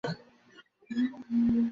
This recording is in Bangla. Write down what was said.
চুপ করা নয়তো!